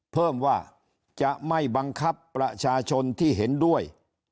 เพิ่มว่าจะไม่บังคับประชาชนที่เห็นด้วย